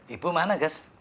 ibu mana ges